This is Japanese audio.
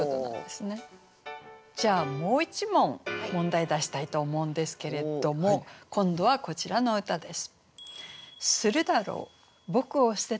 じゃあもう一問問題出したいと思うんですけれども今度はこちらの歌です。